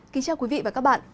kính chào quý vị và các bạn